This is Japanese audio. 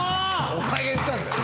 お前が言ったんだよ